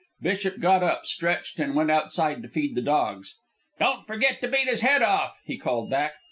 Bishop got up, stretched, and went outside to feed the dogs. "Don't forget to beat his head off," he called back.